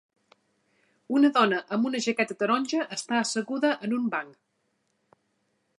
Una dona amb una jaqueta taronja està asseguda en un banc